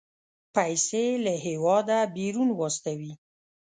پيسې له هېواده بيرون واستوي.